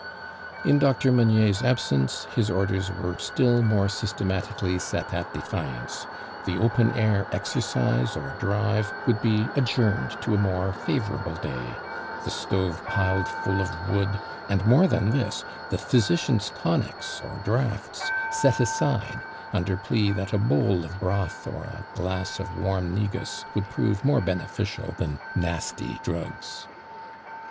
In Dr. Moiuiiers absence his orders were !^tlll more systematically set at defiance. The open air exercise or drive would be adjourned to a more favorable day — the fctove piled full of wood, and more than this the physician" s tonics oi draughts set aside under plea that a bowl of broth or a glass of warm negus would prove more beneficial than nasty drugs.